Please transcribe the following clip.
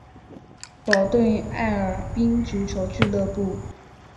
保顿艾尔宾足球俱乐部。